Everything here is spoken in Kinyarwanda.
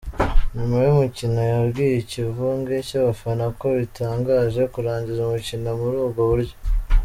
Nyuma y'umukino, yabwiye ikivunge cy'abafana ko "bitangaje" kurangiza umukino muri ubwo buryo.